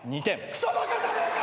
くそバカじゃねえか！